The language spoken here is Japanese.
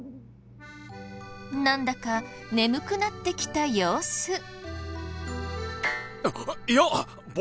なんだか眠くなってきた様子。